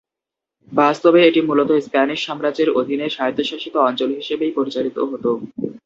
বাস্তবে এটি মূলত স্প্যানিশ সাম্রাজ্যের অধীনে স্বায়ত্তশাসিত অঞ্চল হিসেবেই পরিচালিত হতো।